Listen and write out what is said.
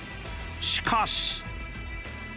しかし。